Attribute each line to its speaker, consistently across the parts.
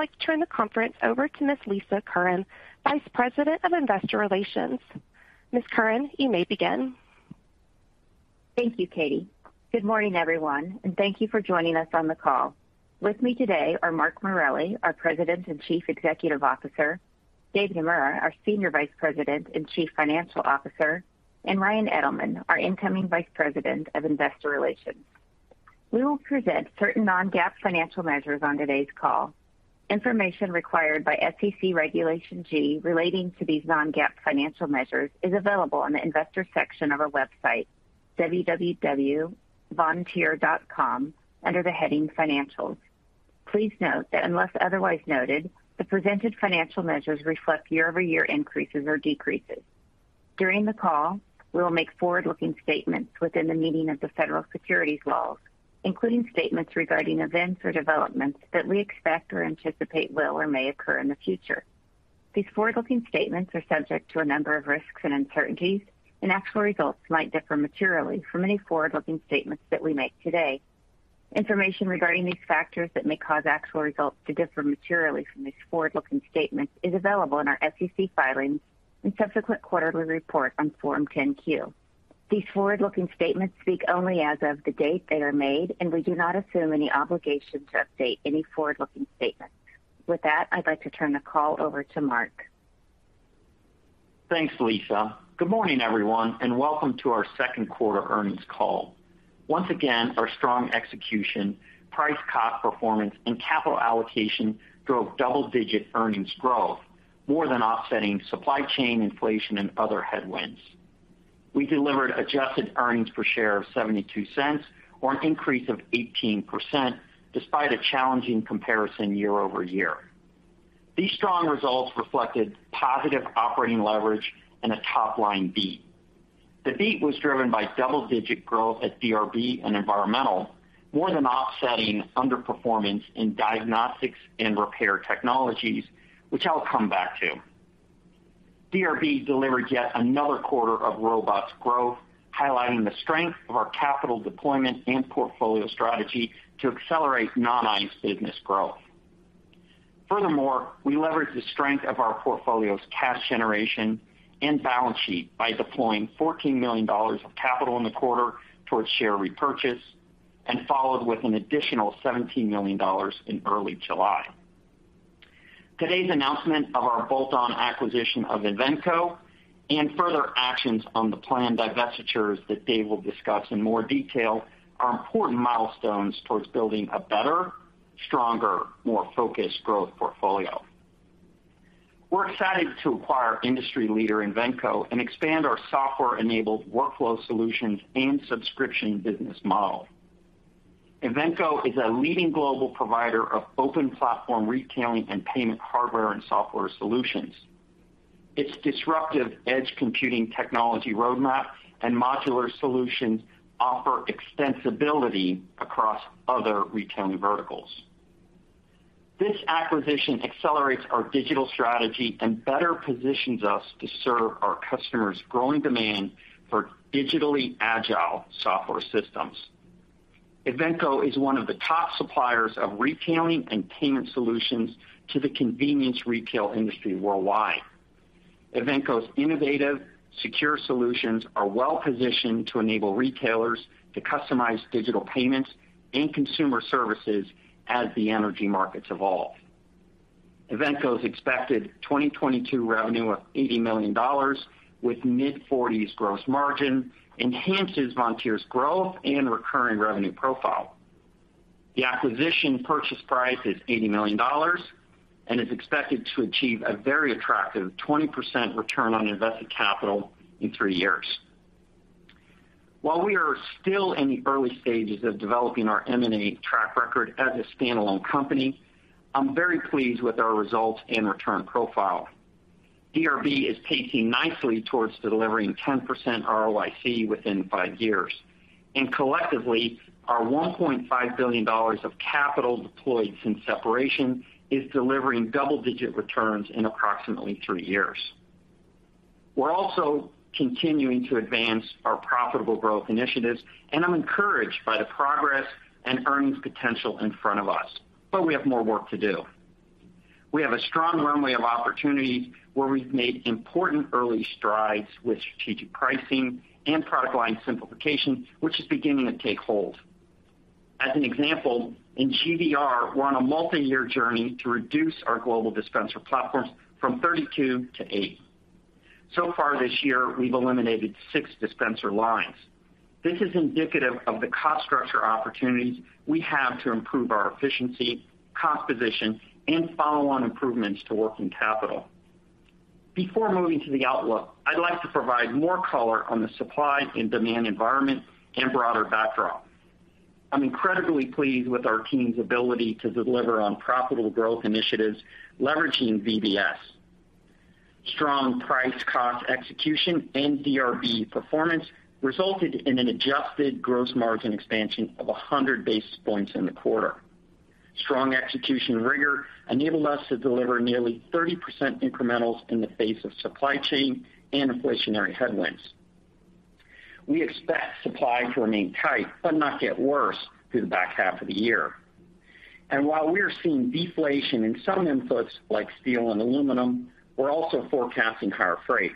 Speaker 1: I'd like to turn the conference over to Ms. Lisa Curran, Vice President of Investor Relations. Ms. Curran, you may begin.
Speaker 2: Thank you, Katie. Good morning, everyone, and thank you for joining us on the call. With me today are Mark Morelli, our President and Chief Executive Officer, David Naemura, our Senior Vice President and Chief Financial Officer, and Ryan Edelman, our incoming Vice President of Investor Relations. We will present certain non-GAAP financial measures on today's call. Information required by SEC Regulation G relating to these non-GAAP financial measures is available on the investor section of our website, www.vontier.com, under the heading Financials. Please note that unless otherwise noted, the presented financial measures reflect year-over-year increases or decreases. During the call, we will make forward-looking statements within the meaning of the federal securities laws, including statements regarding events or developments that we expect or anticipate will or may occur in the future. These forward-looking statements are subject to a number of risks and uncertainties, and actual results might differ materially from any forward-looking statements that we make today. Information regarding these factors that may cause actual results to differ materially from these forward-looking statements is available in our SEC filings and subsequent quarterly report on Form 10-Q. These forward-looking statements speak only as of the date they are made, and we do not assume any obligation to update any forward-looking statements. With that, I'd like to turn the call over to Mark.
Speaker 3: Thanks, Lisa. Good morning, everyone, and welcome to our second quarter earnings call. Once again, our strong execution, price-cost performance and capital allocation drove double-digit earnings growth more than offsetting supply chain inflation and other headwinds. We delivered adjusted earnings per share of $0.72 or an increase of 18% despite a challenging comparison year-over-year. These strong results reflected positive operating leverage and a top-line beat. The beat was driven by double-digit growth at DRB and Environmental, more than offsetting underperformance in Diagnostics and Repair Technologies, which I'll come back to. DRB delivered yet another quarter of robust growth, highlighting the strength of our capital deployment and portfolio strategy to accelerate non-IS business growth. Furthermore, we leverage the strength of our portfolio's cash generation and balance sheet by deploying $14 million of capital in the quarter towards share repurchase and followed with an additional $17 million in early July. Today's announcement of our bolt-on acquisition of Invenco and further actions on the planned divestitures that Dave will discuss in more detail are important milestones towards building a better, stronger, more focused growth portfolio. We're excited to acquire industry leader Invenco and expand our software-enabled workflow solutions and subscription business model. Invenco is a leading global provider of open platform retailing and payment hardware and software solutions. Its disruptive edge computing technology roadmap and modular solutions offer extensibility across other retailing verticals. This acquisition accelerates our digital strategy and better positions us to serve our customers' growing demand for digitally agile software systems. Invenco is one of the top suppliers of retailing and payment solutions to the convenience retail industry worldwide. Invenco's innovative secure solutions are well positioned to enable retailers to customize digital payments and consumer services as the energy markets evolve. Invenco's expected 2022 revenue of $80 million with mid-40s gross margin enhances Vontier's growth and recurring revenue profile. The acquisition purchase price is $80 million and is expected to achieve a very attractive 20% return on invested capital in three years. While we are still in the early stages of developing our M&A track record as a standalone company, I'm very pleased with our results and return profile. DRB is pacing nicely towards delivering 10% ROIC within five years. Collectively, our $1.5 billion of capital deployed since separation is delivering double-digit returns in approximately three years. We're also continuing to advance our profitable growth initiatives, and I'm encouraged by the progress and earnings potential in front of us, but we have more work to do. We have a strong runway of opportunities where we've made important early strides with strategic pricing and product line simplification, which is beginning to take hold. As an example, in GVR, we're on a multiyear journey to reduce our global dispenser platforms from 32 to eight. So far this year, we've eliminated six dispenser lines. This is indicative of the cost structure opportunities we have to improve our efficiency, cost position and follow-on improvements to working capital. Before moving to the outlook, I'd like to provide more color on the supply and demand environment and broader backdrop. I'm incredibly pleased with our team's ability to deliver on profitable growth initiatives leveraging VBS. Strong price cost execution and DRB performance resulted in an adjusted gross margin expansion of 100 basis points in the quarter. Strong execution rigor enabled us to deliver nearly 30% incrementals in the face of supply chain and inflationary headwinds. We expect supply to remain tight but not get worse through the back half of the year. While we are seeing deflation in some inputs like steel and aluminum, we're also forecasting higher freight.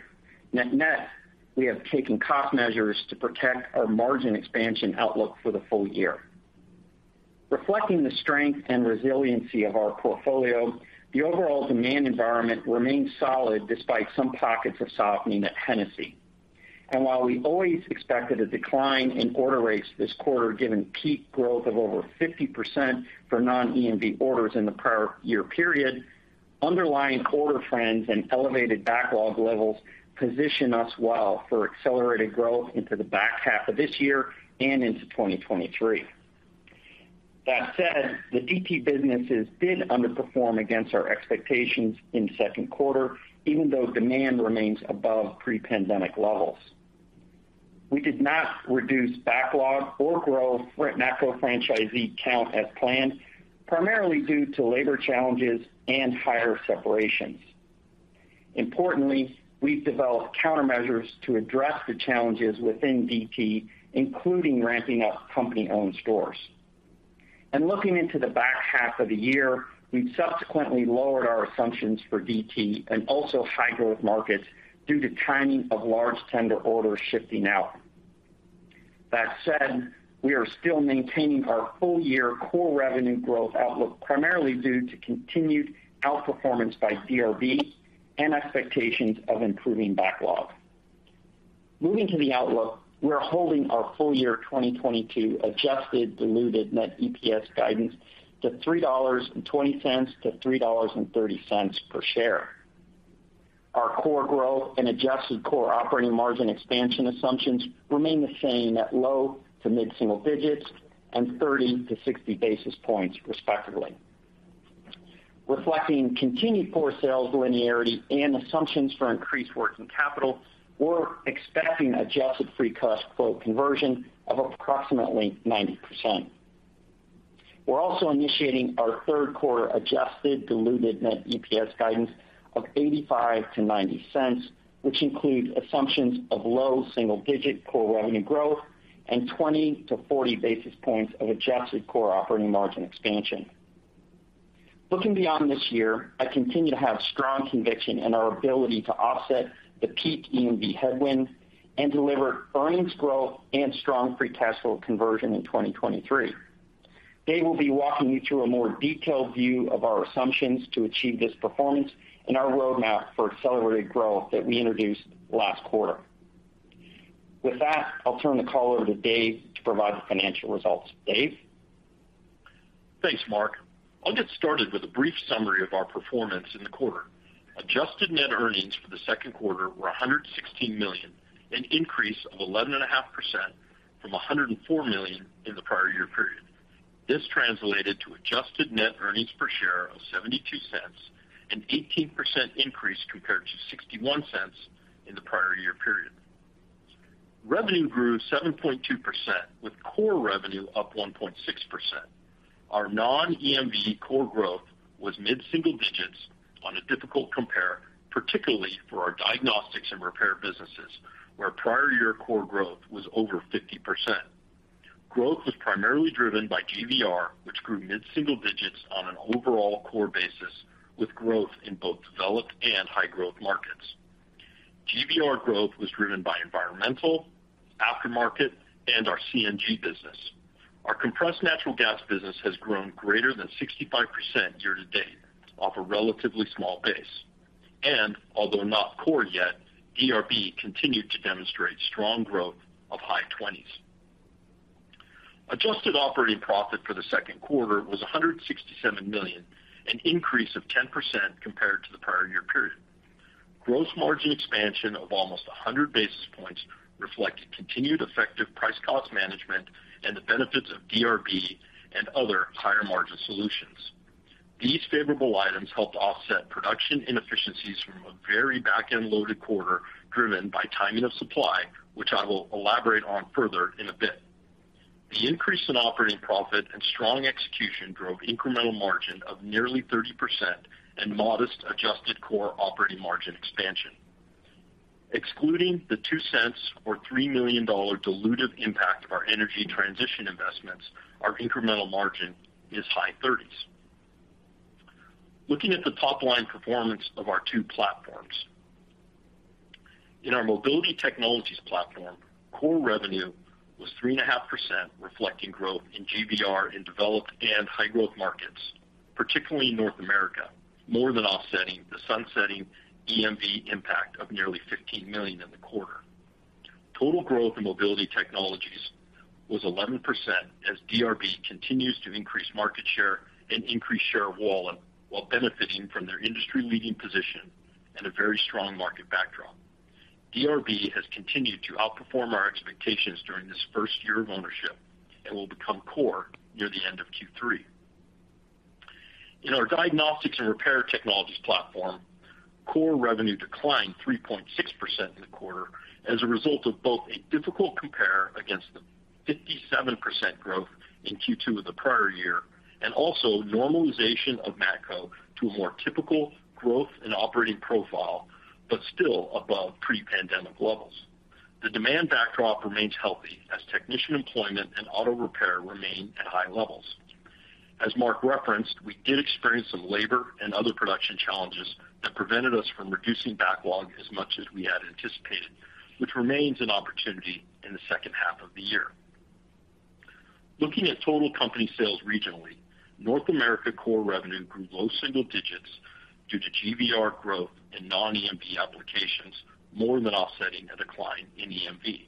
Speaker 3: Net-net, we have taken cost measures to protect our margin expansion outlook for the full-year. Reflecting the strength and resiliency of our portfolio, the overall demand environment remains solid despite some pockets of softening at Hennessy. While we always expected a decline in order rates this quarter, given peak growth of over 50% for non-EMV orders in the prior year period, underlying order trends and elevated backlog levels position us well for accelerated growth into the back half of this year and into 2023. That said, the DT businesses did underperform against our expectations in the second quarter, even though demand remains above pre-pandemic levels. We did not reduce backlog or grow Matco franchisee count as planned, primarily due to labor challenges and higher separations. Importantly, we've developed countermeasures to address the challenges within DT, including ramping up company-owned stores. Looking into the back half of the year, we've subsequently lowered our assumptions for DT and also high-growth markets due to timing of large tender orders shifting out. That said, we are still maintaining our full-year core revenue growth outlook primarily due to continued outperformance by DRB and expectations of improving backlog. Moving to the outlook, we are holding our full-year 2022 adjusted diluted net EPS guidance to $3.20-$3.30 per share. Our core growth and adjusted core operating margin expansion assumptions remain the same at low- to mid-single-digit % and 30-60 basis points, respectively. Reflecting continued core sales linearity and assumptions for increased working capital, we're expecting adjusted free cash flow conversion of approximately 90%. We're also initiating our third quarter adjusted diluted net EPS guidance of $0.85-$0.90, which includes assumptions of low single-digit % core revenue growth and 20-40 basis points of adjusted core operating margin expansion. Looking beyond this year, I continue to have strong conviction in our ability to offset the peak EMV headwind and deliver earnings growth and strong free cash flow conversion in 2023. Dave will be walking you through a more detailed view of our assumptions to achieve this performance and our roadmap for accelerated growth that we introduced last quarter. With that, I'll turn the call over to Dave to provide the financial results. Dave?
Speaker 4: Thanks, Mark. I'll get started with a brief summary of our performance in the quarter. Adjusted net earnings for the second quarter were $116 million, an increase of 11.5% from $104 million in the prior year period. This translated to adjusted net earnings per share of $0.72, an 18% increase compared to $0.61 in the prior year period. Revenue grew 7.2%, with core revenue up 1.6%. Our non-EMV core growth was mid-single digits on a difficult compare, particularly for our Diagnostics and Repair businesses, where prior year core growth was over 50%. Growth was primarily driven by GVR, which grew mid-single digits on an overall core basis, with growth in both developed and high-growth markets. GVR growth was driven by environmental, aftermarket, and our CNG business. Our compressed natural gas business has grown greater than 65% year to date off a relatively small base. Although not core yet, DRB continued to demonstrate strong growth of high 20s. Adjusted operating profit for the second quarter was $167 million, an increase of 10% compared to the prior year period. Gross margin expansion of almost 100 basis points reflected continued effective price-cost management and the benefits of DRB and other higher-margin solutions. These favorable items helped offset production inefficiencies from a very back-end loaded quarter driven by timing of supply, which I will elaborate on further in a bit. The increase in operating profit and strong execution drove incremental margin of nearly 30% and modest adjusted core operating margin expansion. Excluding the $0.02 or $3 million dilutive impact of our energy transition investments, our incremental margin is high 30s. Looking at the top-line performance of our two platforms. In our Mobility Technologies platform, core revenue was 3.5%, reflecting growth in GVR in developed and high-growth markets, particularly in North America, more than offsetting the sunsetting EMV impact of nearly $15 million in the quarter. Total growth in Mobility Technologies was 11% as DRB continues to increase market share and increase share of wallet while benefiting from their industry-leading position and a very strong market backdrop. DRB has continued to outperform our expectations during this first year of ownership and will become core near the end of Q3. In our Diagnostics and Repair Technologies platform, core revenue declined 3.6% in the quarter as a result of both a difficult compare against the 57% growth in Q2 of the prior year, and also normalization of Matco to a more typical growth and operating profile, but still above pre-pandemic levels. The demand backdrop remains healthy as technician employment and auto repair remain at high levels. As Mark referenced, we did experience some labor and other production challenges that prevented us from reducing backlog as much as we had anticipated, which remains an opportunity in the second half of the year. Looking at total company sales regionally, North America core revenue grew low single digits due to GVR growth in non-EMV applications, more than offsetting a decline in EMV.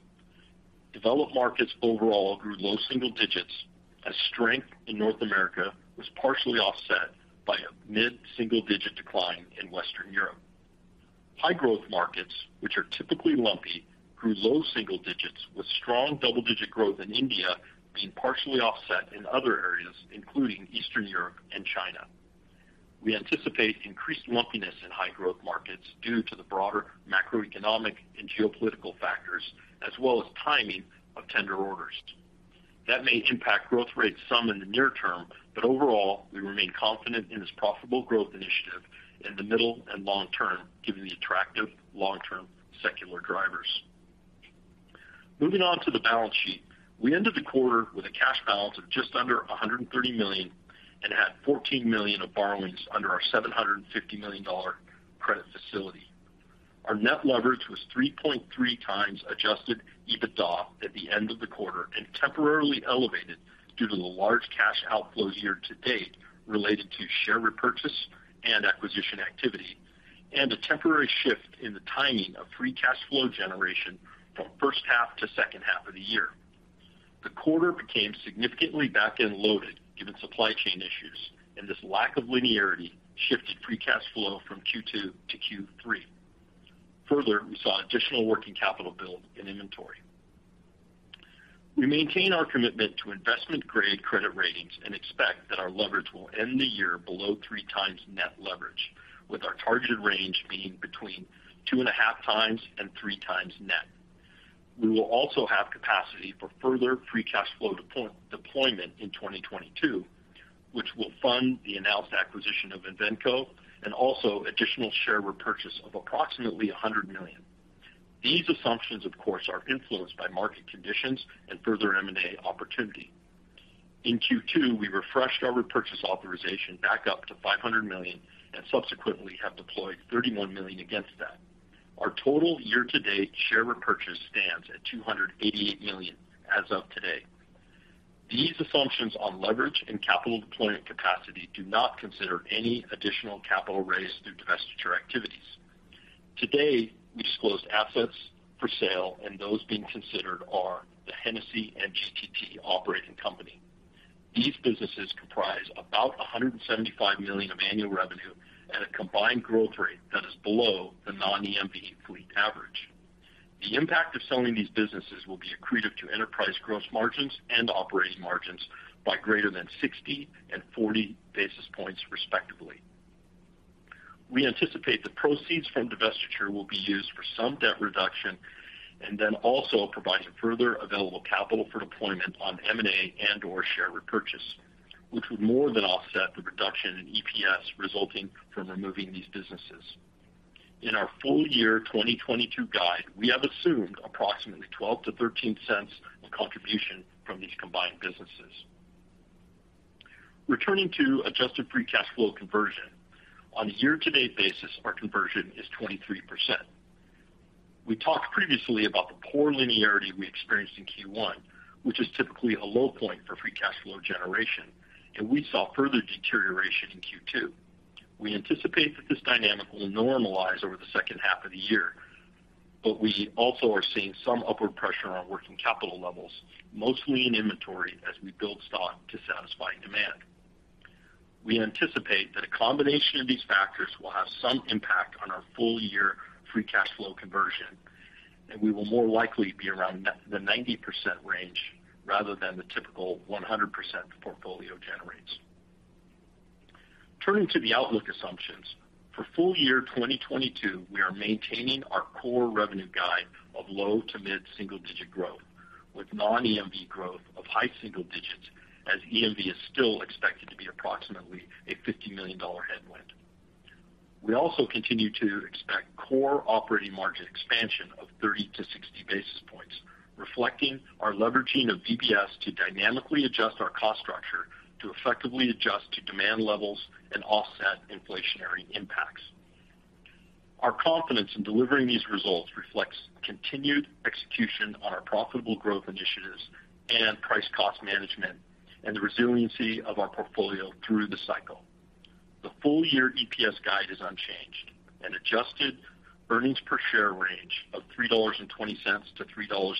Speaker 4: Developed markets overall grew low single digits as strength in North America was partially offset by a mid-single-digit decline in Western Europe. High growth markets, which are typically lumpy, grew low single digits, with strong double-digit growth in India being partially offset in other areas, including Eastern Europe and China. We anticipate increased lumpiness in high growth markets due to the broader macroeconomic and geopolitical factors, as well as timing of tender orders. That may impact growth rates some in the near term, but overall, we remain confident in this profitable growth initiative in the middle and long term, given the attractive long-term secular drivers. Moving on to the balance sheet. We ended the quarter with a cash balance of just under $130 million and had $14 million of borrowings under our $750 million credit facility. Our net leverage was 3.3x Adjusted EBITDA at the end of the quarter and temporarily elevated due to the large cash outflows year to date related to share repurchase and acquisition activity, and a temporary shift in the timing of free cash flow generation from first half to second half of the year. The quarter became significantly back-end loaded given supply chain issues, and this lack of linearity shifted free cash flow from Q2 to Q3. Further, we saw additional working capital build in inventory. We maintain our commitment to investment-grade credit ratings and expect that our leverage will end the year below 3x net leverage, with our targeted range being between 2.5x and 3x net. We will also have capacity for further free cash flow deployment in 2022, which will fund the announced acquisition of Invenco and also additional share repurchase of approximately $100 million. These assumptions, of course, are influenced by market conditions and further M&A opportunity. In Q2, we refreshed our repurchase authorization back up to $500 million and subsequently have deployed $31 million against that. Our total year-to-date share repurchase stands at $288 million as of today. These assumptions on leverage and capital deployment capacity do not consider any additional capital raised through divestiture activities. Today, we disclosed assets for sale, and those being considered are the Hennessy and GTT operating company. These businesses comprise about $175 million of annual revenue at a combined growth rate that is below the non-EMV fleet average. The impact of selling these businesses will be accretive to enterprise gross margins and operating margins by greater than 60 and 40 basis points, respectively. We anticipate the proceeds from divestiture will be used for some debt reduction and then also providing further available capital for deployment on M&A and/or share repurchase, which would more than offset the reduction in EPS resulting from removing these businesses. In our full-year 2022 guide, we have assumed approximately $0.12-$0.13 of contribution from these combined businesses. Returning to adjusted free cash flow conversion. On a year-to-date basis, our conversion is 23%. We talked previously about the poor linearity we experienced in Q1, which is typically a low point for free cash flow generation, and we saw further deterioration in Q2. We anticipate that this dynamic will normalize over the second half of the year, but we also are seeing some upward pressure on our working capital levels, mostly in inventory as we build stock to satisfy demand. We anticipate that a combination of these factors will have some impact on our full-year free cash flow conversion, and we will more likely be around the 90% range rather than the typical 100% the portfolio generates. Turning to the outlook assumptions. For full-year 2022, we are maintaining our core revenue guide of low- to mid-single-digit growth, with non-EMV growth of high single digits as EMV is still expected to be approximately a $50 million headwind. We also continue to expect core operating margin expansion of 30-60 basis points, reflecting our leveraging of VBS to dynamically adjust our cost structure to effectively adjust to demand levels and offset inflationary impacts. Our confidence in delivering these results reflects continued execution on our profitable growth initiatives and price cost management and the resiliency of our portfolio through the cycle. The full-year EPS guide is unchanged, an adjusted earnings per share range of $3.20-$3.31,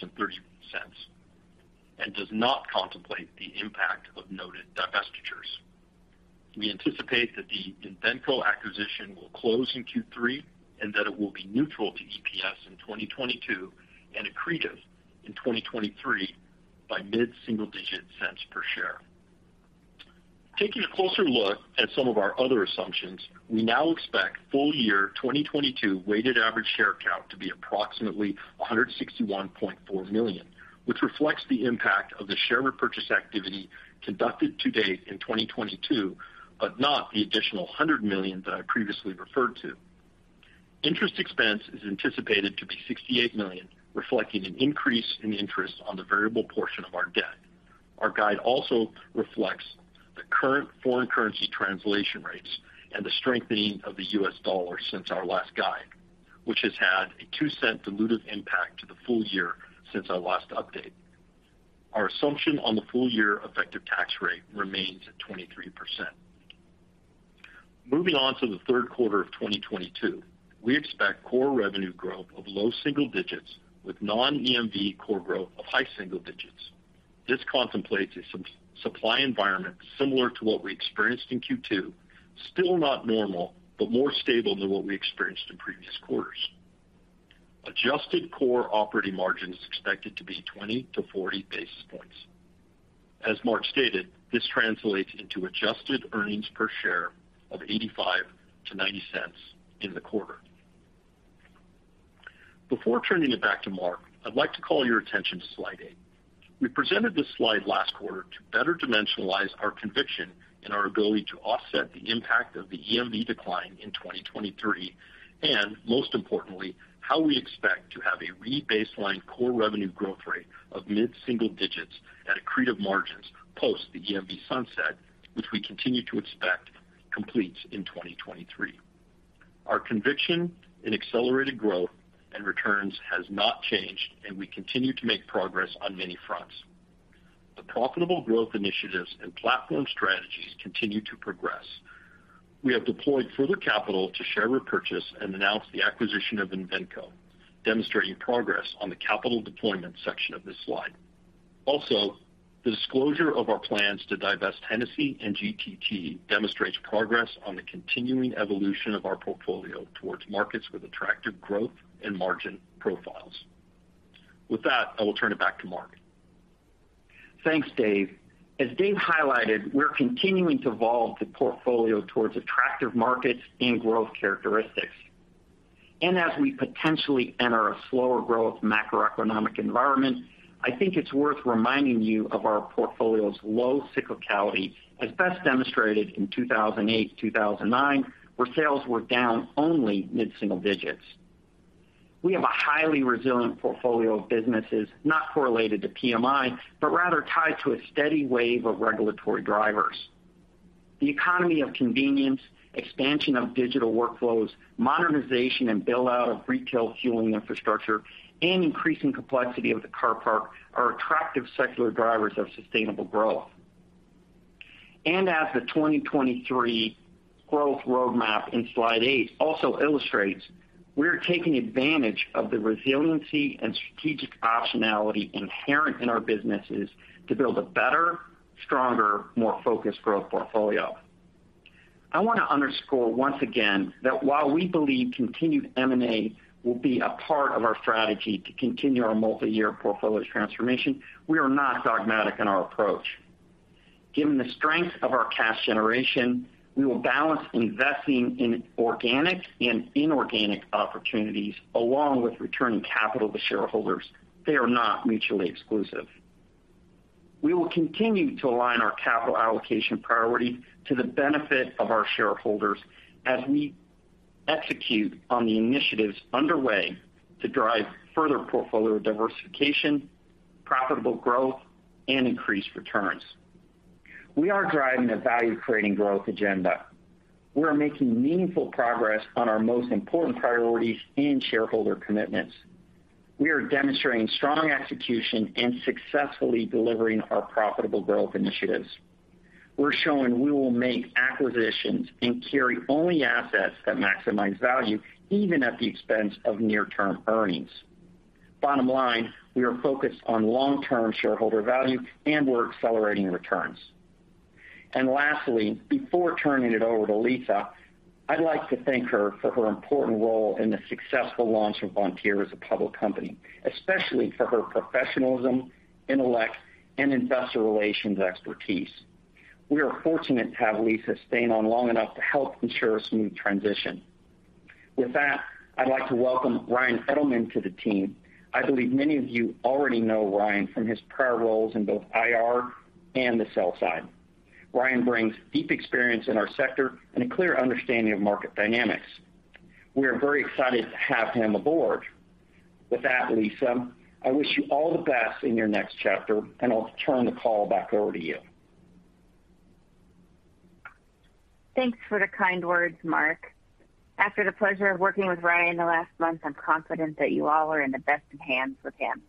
Speaker 4: and does not contemplate the impact of noted divestitures. We anticipate that the Invenco acquisition will close in Q3 and that it will be neutral to EPS in 2022 and accretive in 2023 by mid-single digit cents per share. Taking a closer look at some of our other assumptions, we now expect full-year 2022 weighted average share count to be approximately 161.4 million, which reflects the impact of the share repurchase activity conducted to date in 2022, but not the additional 100 million that I previously referred to. Interest expense is anticipated to be $68 million, reflecting an increase in interest on the variable portion of our debt. Our guide also reflects the current foreign currency translation rates and the strengthening of the U.S. dollar since our last guide, which has had a 2-cent dilutive impact to the full-year since our last update. Our assumption on the full-year effective tax rate remains at 23%. Moving on to the third quarter of 2022, we expect core revenue growth of low single digits with non-EMV core growth of high single digits. This contemplates a supply environment similar to what we experienced in Q2, still not normal, but more stable than what we experienced in previous quarters. Adjusted core operating margin is expected to be 20-40 basis points. As Mark stated, this translates into adjusted earnings per share of $0.85-$0.90 in the quarter. Before turning it back to Mark, I'd like to call your attention to Slide 8. We presented this slide last quarter to better dimensionalize our conviction in our ability to offset the impact of the EMV decline in 2023, and most importantly, how we expect to have a re-baseline core revenue growth rate of mid-single digits at accretive margins post the EMV sunset, which we continue to expect completes in 2023. Our conviction in accelerated growth and returns has not changed, and we continue to make progress on many fronts. The profitable growth initiatives and platform strategies continue to progress. We have deployed further capital to share repurchase and announce the acquisition of Invenco, demonstrating progress on the capital deployment section of this slide. Also, the disclosure of our plans to divest Hennessy and GTT demonstrates progress on the continuing evolution of our portfolio towards markets with attractive growth and margin profiles. With that, I will turn it back to Mark.
Speaker 3: Thanks, Dave. As Dave highlighted, we're continuing to evolve the portfolio towards attractive markets and growth characteristics. As we potentially enter a slower growth macroeconomic environment, I think it's worth reminding you of our portfolio's low cyclicality, as best demonstrated in 2008, 2009, where sales were down only mid-single digits. We have a highly resilient portfolio of businesses, not correlated to PMI, but rather tied to a steady wave of regulatory drivers. The economy of convenience, expansion of digital workflows, modernization, and build-out of retail fueling infrastructure, and increasing complexity of the car park are attractive secular drivers of sustainable growth. As the 2023 growth roadmap in Slide 8 also illustrates, we're taking advantage of the resiliency and strategic optionality inherent in our businesses to build a better, stronger, more focused growth portfolio. I want to underscore once again that while we believe continued M&A will be a part of our strategy to continue our multi-year portfolio transformation, we are not dogmatic in our approach. Given the strength of our cash generation, we will balance investing in organic and inorganic opportunities along with returning capital to shareholders. They are not mutually exclusive. We will continue to align our capital allocation priority to the benefit of our shareholders as we execute on the initiatives underway to drive further portfolio diversification, profitable growth, and increased returns. We are driving a value-creating growth agenda. We are making meaningful progress on our most important priorities and shareholder commitments. We are demonstrating strong execution and successfully delivering our profitable growth initiatives. We're showing we will make acquisitions and carry only assets that maximize value, even at the expense of near-term earnings. Bottom line, we are focused on long-term shareholder value, and we're accelerating returns. Lastly, before turning it over to Lisa, I'd like to thank her for her important role in the successful launch of Vontier as a public company, especially for her professionalism, intellect, and investor relations expertise. We are fortunate to have Lisa staying on long enough to help ensure a smooth transition. With that, I'd like to welcome Ryan Edelman to the team. I believe many of you already know Ryan from his prior roles in both IR and the sell side. Ryan brings deep experience in our sector and a clear understanding of market dynamics. We are very excited to have him aboard. With that, Lisa, I wish you all the best in your next chapter, and I'll turn the call back over to you.
Speaker 2: Thanks for the kind words, Mark. After the pleasure of working with Ryan in the last month, I'm confident that you all are in the best of hands with him.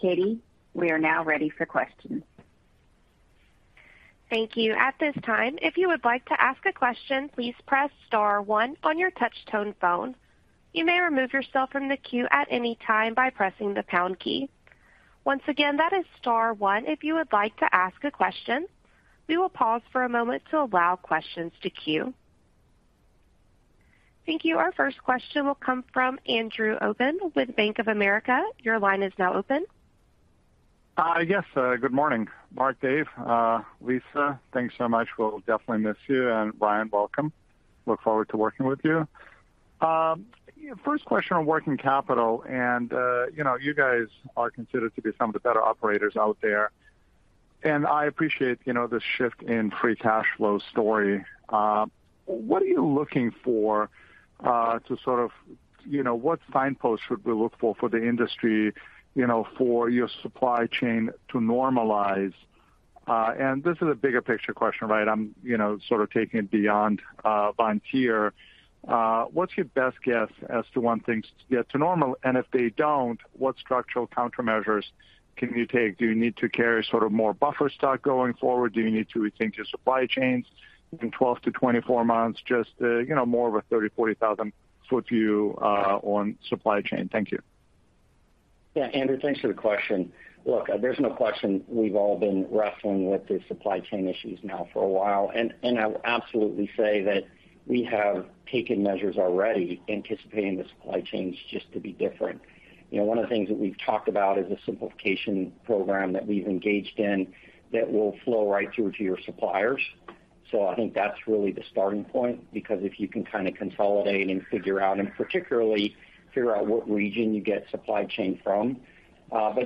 Speaker 2: Katie, we are now ready for questions.
Speaker 1: Thank you. At this time, if you would like to ask a question, please press star one on your touch-tone phone. You may remove yourself from the queue at any time by pressing the pound key. Once again, that is star one if you would like to ask a question. We will pause for a moment to allow questions to queue. Thank you. Our first question will come from Andrew Obin with Bank of America. Your line is now open.
Speaker 5: Yes, Good morning, Mark, Dave. Lisa, thanks so much. We'll definitely miss you. Ryan, welcome. Look forward to working with you. First question on working capital and, you know, you guys are considered to be some of the better operators out there, and I appreciate, you know, the shift in free cash flow story. You know, what signpost should we look for for the industry, you know, for your supply chain to normalize? This is a bigger picture question, right? I'm, you know, sort of taking it beyond Vontier. What's your best guess as to when things get to normal? If they don't, what structural countermeasures can you take? Do you need to carry sort of more buffer stock going forward? Do you need to rethink your supply chains in 12-24 months? Just, you know, more of a 30-40,000-foot view on supply chain. Thank you.
Speaker 3: Yeah. Andrew, thanks for the question. Look, there's no question we've all been wrestling with the supply chain issues now for a while. I will absolutely say that we have taken measures already anticipating the supply chains just to be different. You know, one of the things that we've talked about is a simplification program that we've engaged in that will flow right through to your suppliers. I think that's really the starting point, because if you can kind of consolidate and figure out, and particularly figure out what region you get supply chain from.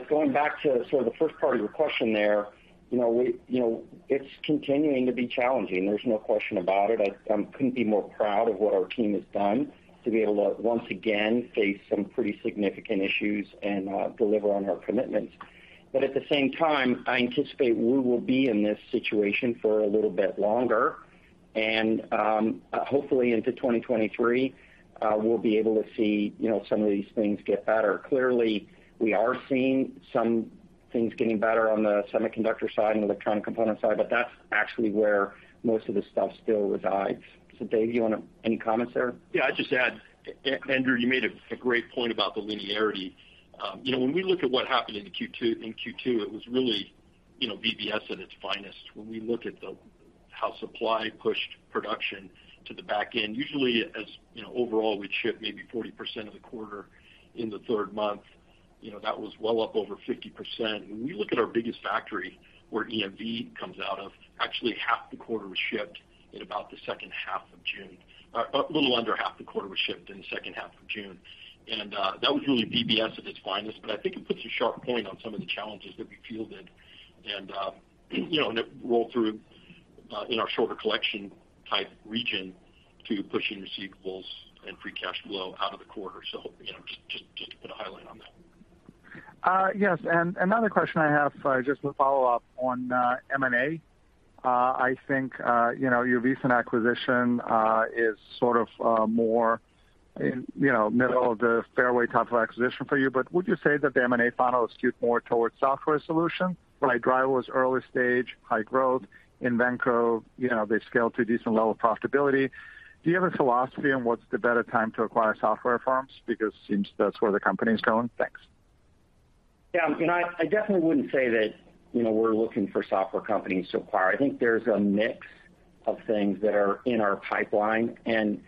Speaker 3: Going back to sort of the first part of your question there, you know, it's continuing to be challenging. There's no question about it. I couldn't be more proud of what our team has done to be able to once again face some pretty significant issues and deliver on our commitments. At the same time, I anticipate we will be in this situation for a little bit longer and hopefully into 2023 we'll be able to see, you know, some of these things get better. Clearly, we are seeing some things getting better on the semiconductor side and electronic component side, but that's actually where most of the stuff still resides. So Dave, you wanna any comments there?
Speaker 4: Yeah, I'd just add, Andrew, you made a great point about the linearity. You know, when we look at what happened in Q2, it was really, you know, VBS at its finest. When we look at how supply pushed production to the back end, usually, as you know, overall, we'd ship maybe 40% of the quarter in the third month. You know, that was well up over 50%. When you look at our biggest factory where EMV comes out of, actually half the quarter was shipped in about the second half of June. A little under half the quarter was shipped in the second half of June, and that was really VBS at its finest. I think it puts a sharp point on some of the challenges that we fielded and, you know, and it rolled through, in our shorter collection type region to pushing receivables and free cash flow out of the quarter. You know, just to put a highlight on that.
Speaker 5: Yes. Another question I have, just to follow up on, M&A. I think, you know, your recent acquisition is sort of, more in, you know, middle of the fairway type of acquisition for you. But would you say that the M&A funnel is skewed more towards software solutions? Like Driivz was early stage, high growth. Invenco, you know, they scaled to a decent level of profitability. Do you have a philosophy on what's the better time to acquire software firms? Because it seems that's where the company's going. Thanks.
Speaker 3: Yeah. You know, I definitely wouldn't say that, you know, we're looking for software companies to acquire. I think there's a mix of things that are in our pipeline and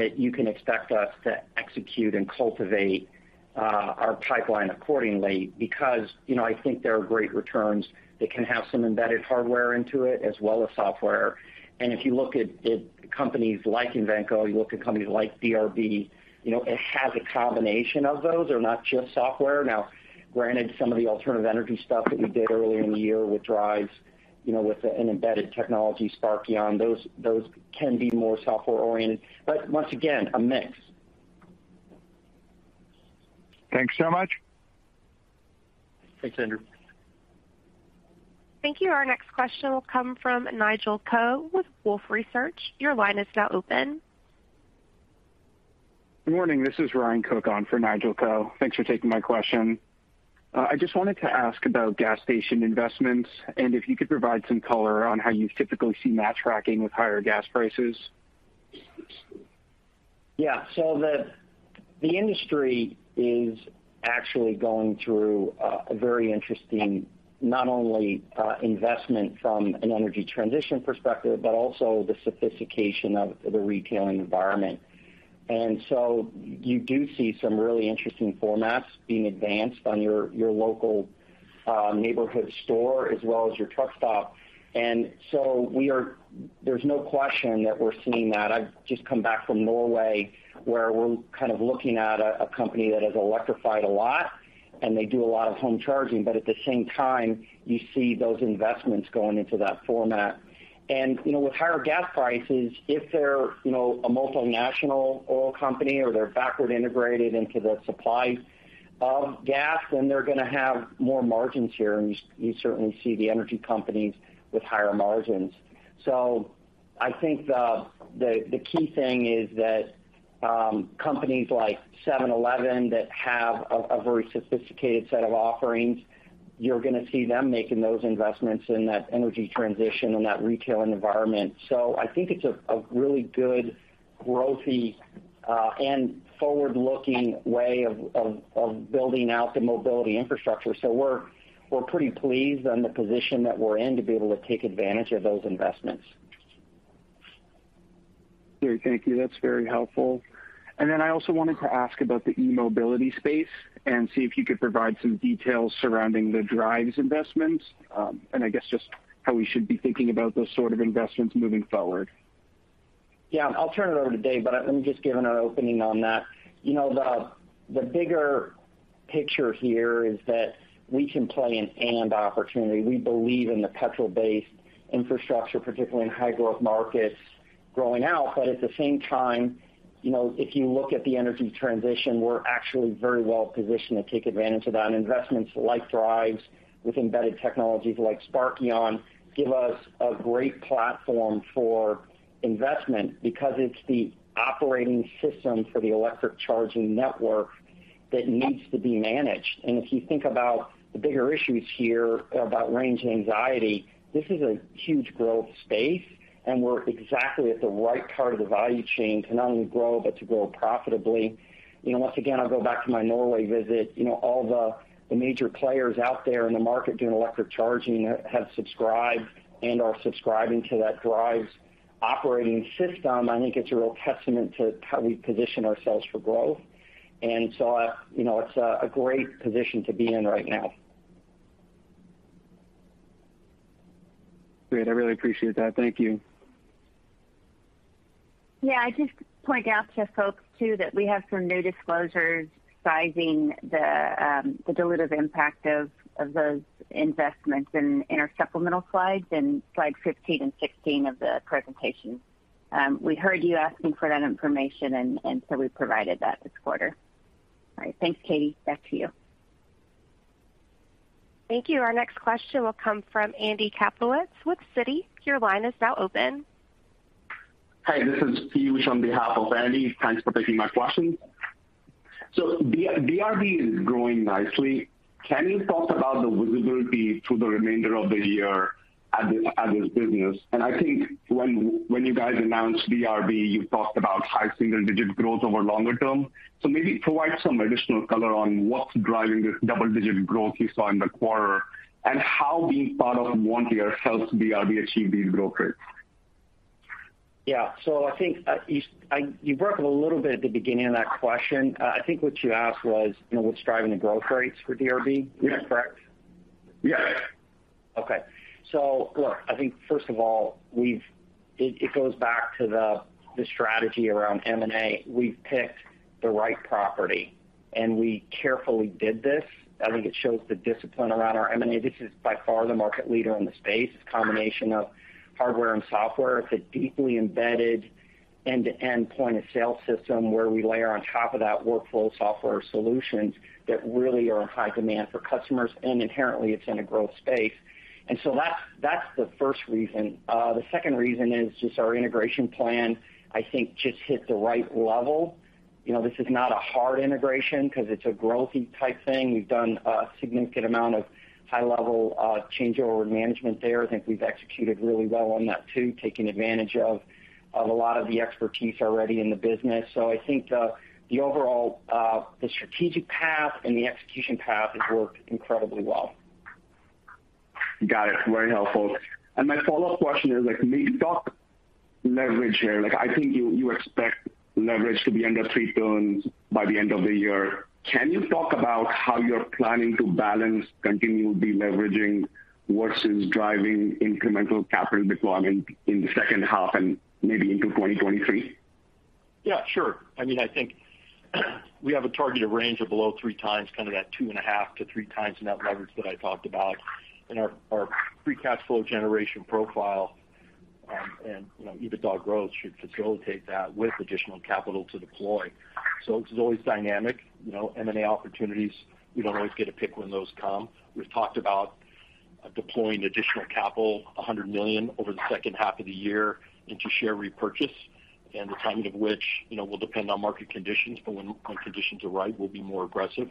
Speaker 3: that you can expect us to execute and cultivate our pipeline accordingly because, you know, I think there are great returns that can have some embedded hardware into it as well as software. If you look at companies like Invenco, you look at companies like DRB, you know, it has a combination of those. They're not just software. Now, granted, some of the alternative energy stuff that we did earlier in the year with Driivz, you know, with an embedded technology, Sparkion, those can be more software-oriented. Once again, a mix.
Speaker 5: Thanks so much.
Speaker 4: Thanks, Andrew.
Speaker 1: Thank you. Our next question will come from Nigel Coe with Wolfe Research. Your line is now open.
Speaker 6: Good morning. This is Ryan Cooke on for Nigel Coe. Thanks for taking my question. I just wanted to ask about gas station investments and if you could provide some color on how you typically see margin tracking with higher gas prices.
Speaker 3: Yeah. The industry is actually going through a very interesting not only investment from an energy transition perspective, but also the sophistication of the retailing environment. You do see some really interesting formats being advanced on your local neighborhood store as well as your truck stop. There's no question that we're seeing that. I've just come back from Norway, where we're kind of looking at a company that has electrified a lot, and they do a lot of home charging, but at the same time, you see those investments going into that format. You know, with higher gas prices, if they're you know, a multinational oil company or they're backward integrated into the supply of gas, then they're gonna have more margins here, and you certainly see the energy companies with higher margins. I think the key thing is that, companies like 7-Eleven that have a very sophisticated set of offerings, you're gonna see them making those investments in that energy transition and that retailing environment. I think it's a really good growthy and forward-looking way of building out the mobility infrastructure. We're pretty pleased on the position that we're in to be able to take advantage of those investments.
Speaker 6: Great. Thank you. That's very helpful. I also wanted to ask about the e-mobility space and see if you could provide some details surrounding the Driivz investments, and I guess just how we should be thinking about those sort of investments moving forward?
Speaker 3: Yeah, I'll turn it over to Dave, but let me just give an opening on that. You know, the bigger picture here is that we can play an and opportunity. We believe in the petrol-based infrastructure, particularly in high-growth markets growing out. At the same time, you know, if you look at the energy transition, we're actually very well positioned to take advantage of that. Investments like Driivz with embedded technologies like Sparkion give us a great platform for investment because it's the operating system for the electric charging network that needs to be managed. If you think about the bigger issues here about range anxiety, this is a huge growth space, and we're exactly at the right part of the value chain to not only grow, but to grow profitably. You know, once again, I'll go back to my Norway visit. You know, all the major players out there in the market doing electric charging have subscribed and are subscribing to Driivz operating system. I think it's a real testament to how we position ourselves for growth. You know, it's a great position to be in right now.
Speaker 6: Great. I really appreciate that. Thank you.
Speaker 2: Yeah. I'd just point out to folks too that we have some new disclosures sizing the dilutive impact of those investments in our supplemental slides in Slide 15 and 16 of the presentation. We heard you asking for that information and so we provided that this quarter. All right. Thanks, Katie. Back to you.
Speaker 1: Thank you. Our next question will come from Andy Kaplowitz with Citi. Your line is now open.
Speaker 7: Hi, this is Piyush on behalf of Andy. Thanks for taking my question. DRB is growing nicely. Can you talk about the visibility through the remainder of the year at this business? I think when you guys announced DRB, you talked about high single-digit growth over the longer term. Maybe provide some additional color on what's driving this double-digit growth you saw in the quarter and how being part of Vontier helps DRB achieve these growth rates.
Speaker 3: Yeah. I think you broke up a little bit at the beginning of that question. I think what you asked was, you know, what's driving the growth rates for DRB. Is that correct?
Speaker 7: Yes.
Speaker 3: I think first of all, it goes back to the strategy around M&A. We've picked the right property, and we carefully did this. I think it shows the discipline around our M&A. This is by far the market leader in the space. It's a combination of hardware and software. It's a deeply embedded end-to-end point-of-sale system where we layer on top of that workflow software solutions that really are in high demand for customers, and inherently it's in a growth space. That's the first reason. The second reason is just our integration plan, I think, just hit the right level. You know, this is not a hard integration 'cause it's a growth-y type thing. We've done a significant amount of high-level changeover management there. I think we've executed really well on that too, taking advantage of a lot of the expertise already in the business. I think the overall, the strategic path and the execution path has worked incredibly well.
Speaker 7: Got it. Very helpful. My follow-up question is like, can you talk leverage here? Like, I think you expect leverage to be under three turns by the end of the year. Can you talk about how you're planning to balance continued deleveraging versus driving incremental capital deployment in the second half and maybe into 2023?
Speaker 4: Yeah, sure. I mean, I think we have a targeted range of below 3x, kind of that 2.5x-3x net leverage that I talked about. Our free cash flow generation profile, and you know, EBITDA growth should facilitate that with additional capital to deploy. This is always dynamic. You know, M&A opportunities, we don't always get to pick when those come. We've talked about deploying additional capital, $100 million, over the second half of the year into share repurchase, and the timing of which, you know, will depend on market conditions, but when conditions are right, we'll be more aggressive.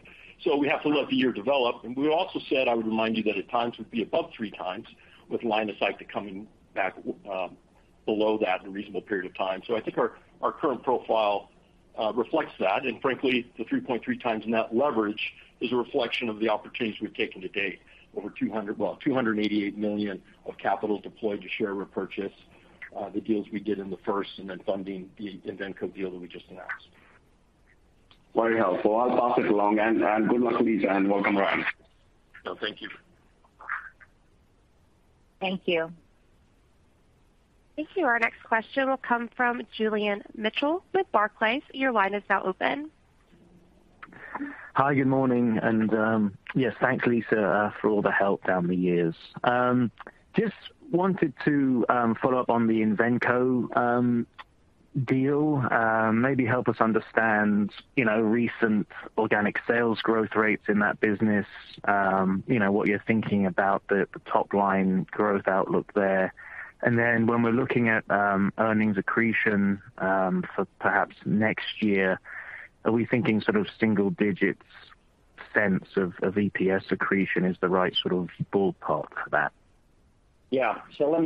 Speaker 4: We have to let the year develop. We also said, I would remind you, that at times it would be above 3x with line of sight to coming back below that in a reasonable period of time. I think our current profile reflects that. Frankly, the 3.3x net leverage is a reflection of the opportunities we've taken to date, over $288 million of capital deployed to share repurchase, the deals we did in the first and then funding the Invenco deal that we just announced.
Speaker 7: Very helpful. I'll pass it along. Good luck, Lisa, and welcome around.
Speaker 4: No, thank you.
Speaker 2: Thank you.
Speaker 1: Thank you. Our next question will come from Julian Mitchell with Barclays. Your line is now open.
Speaker 8: Hi, Good morning. Yes, thanks, Lisa, for all the help down the years. Just wanted to follow up on the Invenco deal. Maybe help us understand, you know, recent organic sales growth rates in that business, you know, what you're thinking about the top line growth outlook there. When we're looking at earnings accretion for perhaps next year, are we thinking sort of single digits cents of EPS accretion is the right sort of ballpark for that?
Speaker 3: Yeah. Let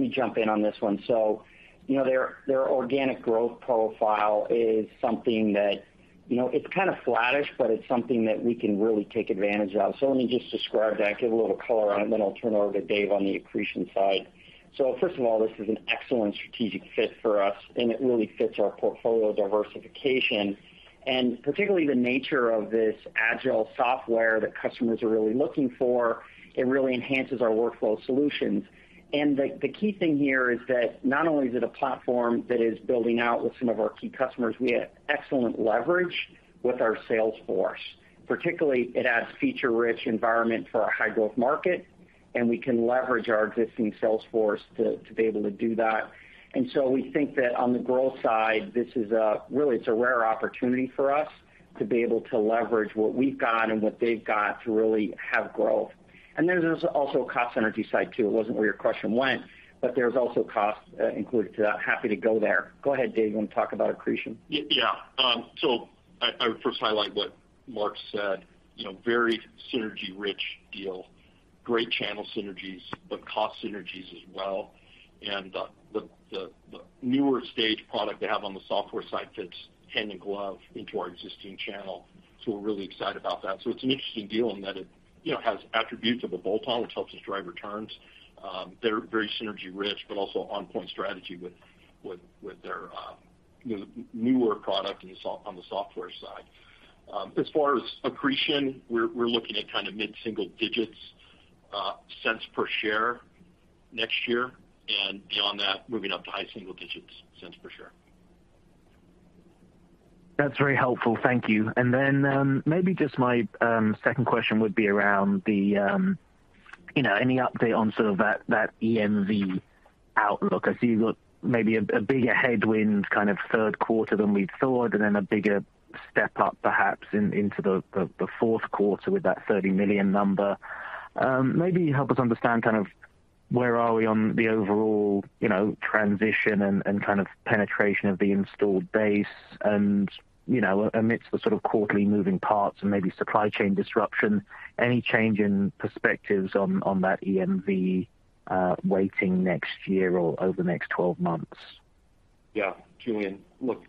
Speaker 3: me jump in on this one. You know, their organic growth profile is something that, you know, it's kind of flattish, but it's something that we can really take advantage of. Let me just describe that, give a little color on it, and then I'll turn it over to Dave on the accretion side. First of all, this is an excellent strategic fit for us, and it really fits our portfolio diversification, and particularly the nature of this agile software that customers are really looking for. It really enhances our workflow solutions. The key thing here is that not only is it a platform that is building out with some of our key customers, we have excellent leverage with our sales force. Particularly, it adds feature-rich environment for our high-growth market, and we can leverage our existing sales force to be able to do that. We think that on the growth side, this is really a rare opportunity for us to be able to leverage what we've got and what they've got to really have growth. There's also a cost synergy side, too. It wasn't where your question went, but there's also costs included to that. Happy to go there. Go ahead, Dave. You want to talk about accretion?
Speaker 4: Yeah. I would first highlight what Mark said, you know, very synergy-rich deal, great channel synergies, but cost synergies as well. The newer stage product they have on the software side fits hand in glove into our existing channel, so we're really excited about that. It's an interesting deal in that it, you know, has attributes of a bolt-on, which helps us drive returns. They're very synergy-rich, but also on-point strategy with their, you know, newer product on the software side. As far as accretion, we're looking at kind of mid-single digits cents per share next year, and beyond that, moving up to high single digits cents per share.
Speaker 8: That's very helpful. Thank you. Maybe just my second question would be around the you know any update on sort of that EMV outlook. I see you've got maybe a bigger headwind kind of third quarter than we thought, and then a bigger step up perhaps into the fourth quarter with that $30 million number. Maybe help us understand kind of where are we on the overall you know transition and kind of penetration of the installed base and you know amidst the sort of quarterly moving parts and maybe supply chain disruption, any change in perspectives on that EMV weighting next year or over the next 12 months?
Speaker 4: Yeah, Julian. Look,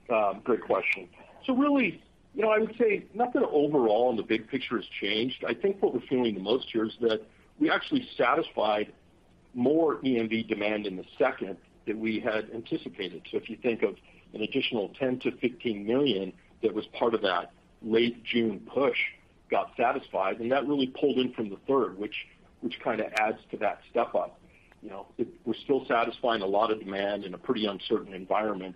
Speaker 4: great question. Really, you know, I would say nothing overall in the big picture has changed. I think what we're feeling the most here is that we actually satisfied more EMV demand in the second than we had anticipated. If you think of an additional $10 million-$15 million that was part of that late June push got satisfied, and that really pulled in from the third, which kind of adds to that step up. You know, it. We're still satisfying a lot of demand in a pretty uncertain environment.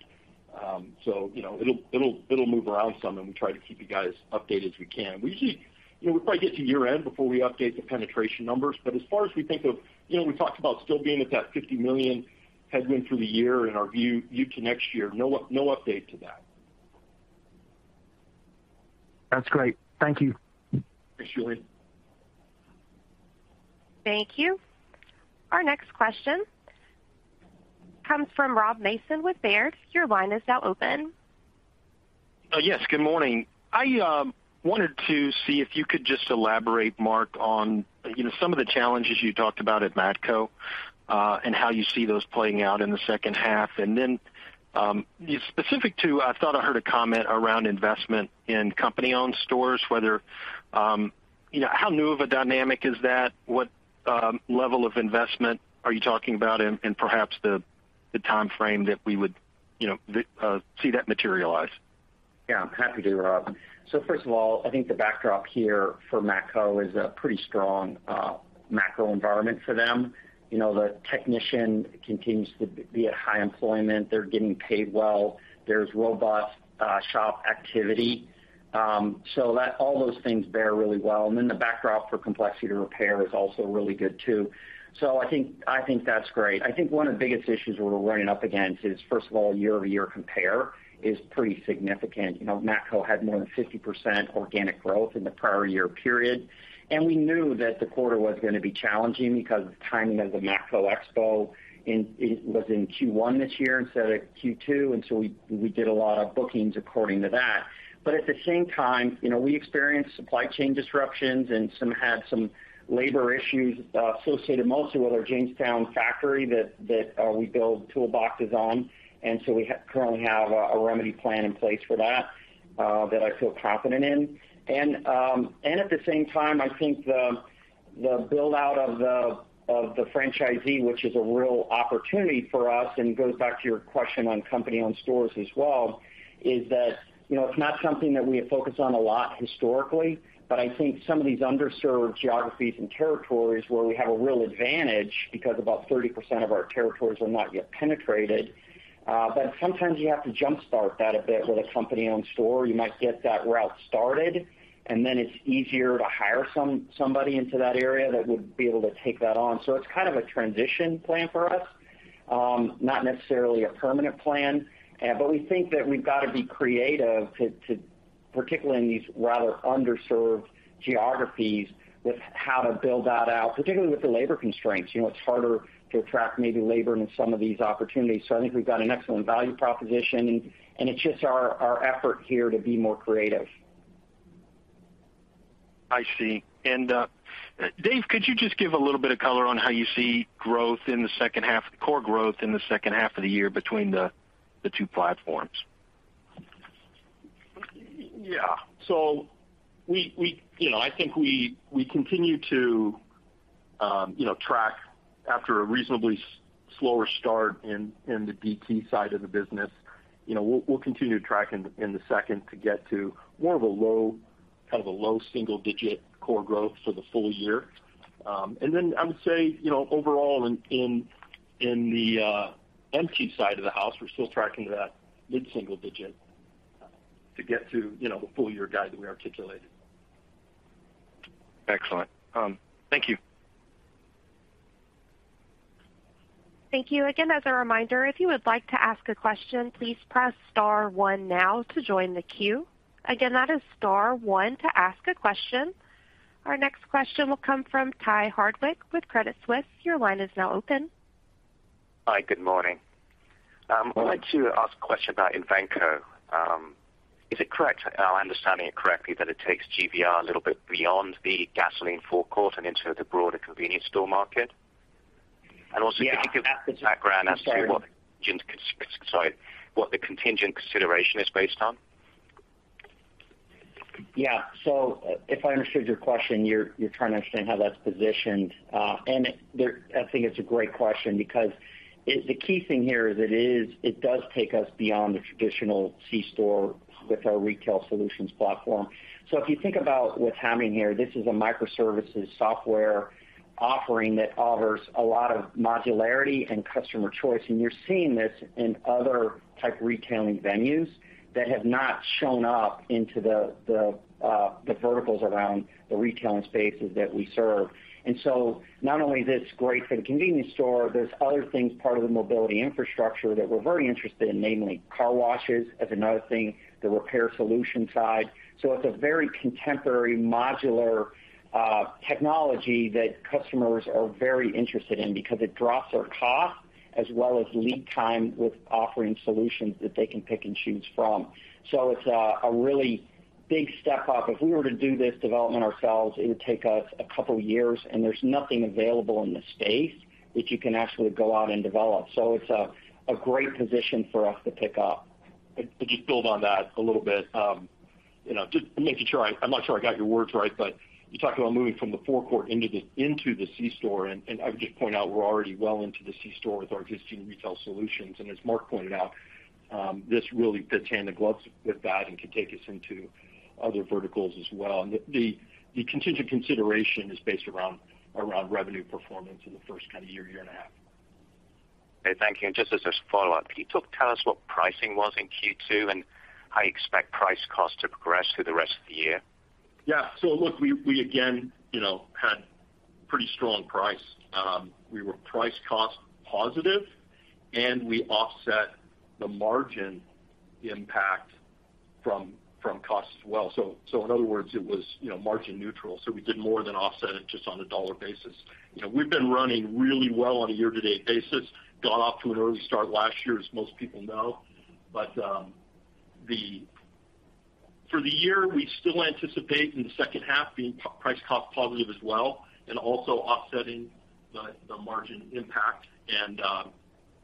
Speaker 4: So you know, it'll move around some, and we try to keep you guys updated as we can. We usually. You know, we'll probably get to year-end before we update the penetration numbers. But as far as we think of. You know, we talked about still being at that $50 million headwind for the year in our view to next year. No update to that.
Speaker 8: That's great. Thank you.
Speaker 4: Thanks, Julian.
Speaker 1: Thank you. Our next question comes from Rob Mason with Baird. Your line is now open.
Speaker 9: Yes. Good morning. I wanted to see if you could just elaborate, Mark, on you know some of the challenges you talked about at Matco and how you see those playing out in the second half. Specific to, I thought I heard a comment around investment in company-owned stores, whether you know how new of a dynamic is that? What level of investment are you talking about and perhaps the timeframe that we would you know see that materialize?
Speaker 3: Yeah, happy to, Rob. First of all, I think the backdrop here for Matco is a pretty strong macro environment for them. You know, the technician continues to be at high employment. They're getting paid well. There's robust shop activity. That all those things bear really well. Then the backdrop for complexity to repair is also really good too. I think that's great. I think one of the biggest issues we're running up against is, first of all, year-over-year compare is pretty significant. You know, Matco had more than 50% organic growth in the prior year period. We knew that the quarter was gonna be challenging because the timing of the Matco Expo in it was in Q1 this year instead of Q2, and so we did a lot of bookings according to that. At the same time, you know, we experienced supply chain disruptions and some labor issues associated mostly with our Jamestown factory that we build toolboxes on. We currently have a remedy plan in place for that I feel confident in. At the same time, I think the build-out of the franchisee, which is a real opportunity for us, and goes back to your question on company-owned stores as well, is that, you know, it's not something that we have focused on a lot historically, but I think some of these underserved geographies and territories where we have a real advantage because about 30% of our territories are not yet penetrated, but sometimes you have to jump-start that a bit with a company-owned store. You might get that route started, and then it's easier to hire somebody into that area that would be able to take that on. It's kind of a transition plan for us, not necessarily a permanent plan. We think that we've got to be creative to particularly in these rather underserved geographies, with how to build that out, particularly with the labor constraints. You know, it's harder to attract maybe labor into some of these opportunities. I think we've got an excellent value proposition, and it's just our effort here to be more creative.
Speaker 9: I see. Dave, could you just give a little bit of color on how you see growth in the second half, core growth in the second half of the year between the two platforms?
Speaker 4: We continue to track after a reasonably slower start in the DT side of the business. You know, we will continue to track in the second to get to more of a low, kind of a low single-digit core growth for the full-year. I would say, you know, overall in the MT side of the house, we are still tracking to that mid-single-digit to get to, you know, the full-year guide that we articulated.
Speaker 9: Excellent. Thank you.
Speaker 1: Thank you. Again, as a reminder, if you would like to ask a question, please press star one now to join the queue. Again, that is star one to ask a question. Our next question will come from Deane Dray with RBC Capital Markets. Your line is now open.
Speaker 10: Hi, Good morning. I'd like to ask a question about Invenco. Am I understanding it correctly that it takes GVR a little bit beyond the gasoline forecourt and into the broader convenience store market?
Speaker 3: Yeah.
Speaker 10: Can you give us background as to what the contingent consideration is based on?
Speaker 3: Yeah. If I understood your question, you're trying to understand how that's positioned. I think it's a great question because the key thing here is it does take us beyond the traditional C store with our retail solutions platform. If you think about what's happening here, this is a microservices software offering that offers a lot of modularity and customer choice, and you're seeing this in other type of retailing venues that have not shown up into the verticals around the retailing spaces that we serve. Not only is this great for the convenience store, there's other things part of the mobility infrastructure that we're very interested in, namely car washes as another thing, the repair solution side. It's a very contemporary modular technology that customers are very interested in because it drops their cost as well as lead time with offering solutions that they can pick and choose from. It's a really big step up. If we were to do this development ourselves, it would take us a couple years, and there's nothing available in the space that you can actually go out and develop. It's a great position for us to pick up.
Speaker 4: To just build on that a little bit, just making sure, I'm not sure I got your words right, but you talked about moving from the forecourt into the C store. I would just point out we're already well into the C store with our existing retail solutions. As Mark pointed out, this really fits hand in glove with that and can take us into other verticals as well. The contingent consideration is based around revenue performance in the first kind of year and a half.
Speaker 10: Okay, thank you. Just as a follow-up, can you tell us what pricing was in Q2 and how you expect price cost to progress through the rest of the year?
Speaker 4: Yeah. Look, we again, you know, had pretty strong price. We were price cost positive, and we offset the margin impact from cost as well. In other words, it was, you know, margin neutral. We did more than offset it just on a dollar basis. You know, we've been running really well on a year-to-date basis, got off to an early start last year, as most people know. For the year, we still anticipate in the second half being price cost positive as well and also offsetting the margin impact.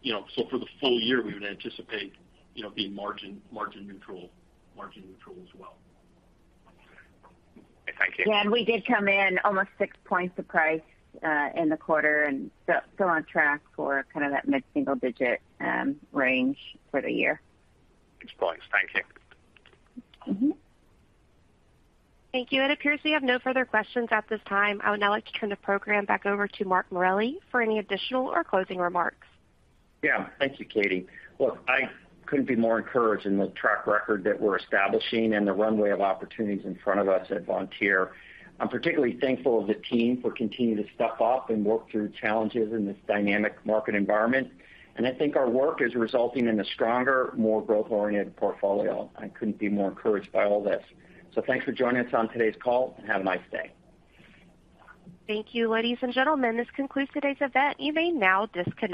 Speaker 4: You know, so for the full-year, we would anticipate, you know, being margin neutral as well.
Speaker 10: Okay. Thank you.
Speaker 2: Yeah, we did come in almost 6 points of price in the quarter and still on track for kind of that mid-single digit range for the year.
Speaker 10: Thanks. Thank you.
Speaker 2: Mm-hmm.
Speaker 1: Thank you. It appears we have no further questions at this time. I would now like to turn the program back over to Mark Morelli for any additional or closing remarks.
Speaker 3: Yeah. Thank you, Katie. Look, I couldn't be more encouraged in the track record that we're establishing and the runway of opportunities in front of us at Vontier. I'm particularly thankful to the team for continuing to step up and work through challenges in this dynamic market environment, and I think our work is resulting in a stronger, more growth-oriented portfolio. I couldn't be more encouraged by all this. Thanks for joining us on today's call, and have a nice day.
Speaker 1: Thank you, ladies and gentlemen. This concludes today's event. You may now disconnect.